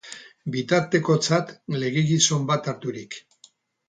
Bitartekotzat legegizon bat harturik.